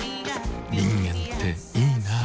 人間っていいナ。